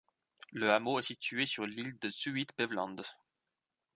Le hameau est situé sur l'île de Zuid-Beveland.